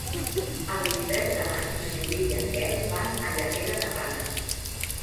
El vint-i-tres de maig na Judit i en Quel van a Llanera de Ranes.